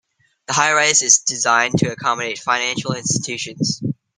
The highrise is designed to accommodate financial institutions.